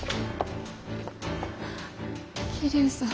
桐生さん。